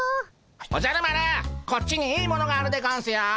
おじゃる丸こっちにいいものがあるでゴンスよ。